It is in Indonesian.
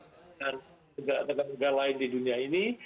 dengan negara negara lain di dunia ini